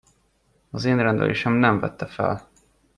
Az én rendelésem nem vette fel.